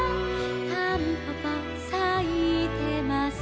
「たんぽぽさいてます」